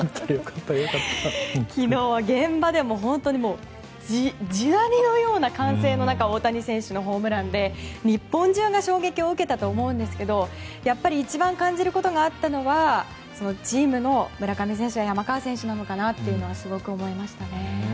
昨日は現場でも本当に地鳴りのような歓声の中大谷選手のホームランで日本中が衝撃を受けたと思うんですがやっぱり一番感じることがあったのはチームの村上選手や山川選手なのかなとはすごく思いましたね。